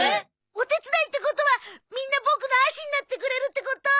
お手伝いってことはみんなボクのアシになってくれるってこと！？